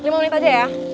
lima menit aja ya